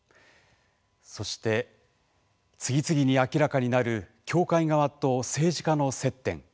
そして、次々に明らかになる教会側と政治家の接点。